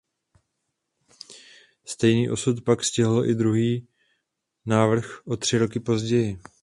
Stejný osud pak stihl i druhý návrh o tři roky později.